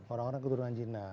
orang orang keturunan jina